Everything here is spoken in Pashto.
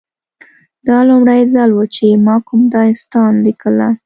دا لومړی ځل و چې ما کوم داستان لیکه